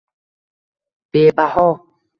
Bebaho —